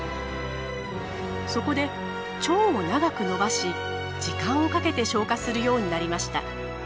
そこで腸を長く伸ばし時間をかけて消化するようになりました。